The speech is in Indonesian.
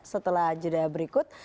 setelah jeda berikut